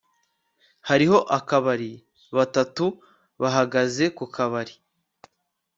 Hariho akabari batatu bahagaze ku kabari